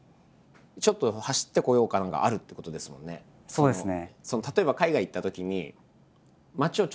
そうですね。